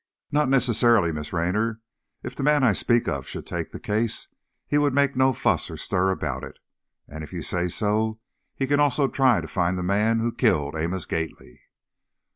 "Not necessarily, Miss Raynor. If the man I speak of should take the case, he would make no fuss or stir about it. And if you say so, he can also try to find the man who killed Amos Gately."